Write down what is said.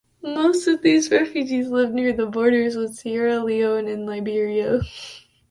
Most of these refugees lived near the borders with Sierra Leone and Liberia.